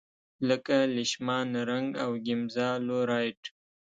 لکه لیشمان رنګ او ګیمزا لو رایټ.